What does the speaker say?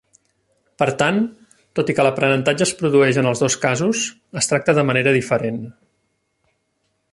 Per tant, tot i que l'aprenentatge es produeix en els dos casos, es tracta de manera diferent.